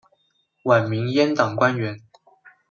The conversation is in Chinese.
晚明阉党官员。